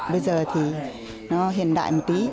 bây giờ thì nó hiện đại một tí